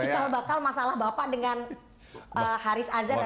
cikal bakal masalah bapak dengan haris azad dan pak ya